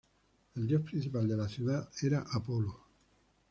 El dios principal de la ciudad era Apolo.